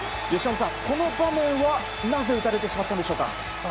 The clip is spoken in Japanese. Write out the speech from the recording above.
由伸さん、この場面は、なぜ打たれてしまったんでしょうか。